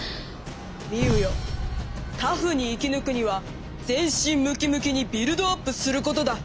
「ミウよタフに生きぬくには全身ムキムキにビルドアップすることだ」。